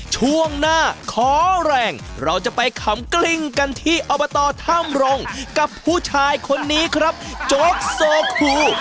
ช่วงหน้าขอแรงเราจะไปขำกลิ้งกันที่อบตถ้ำรงกับผู้ชายคนนี้ครับโจ๊กโซคู